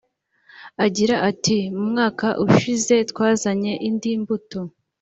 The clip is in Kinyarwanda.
Agira ati “Mu mwaka ushize twazanye indi mbuto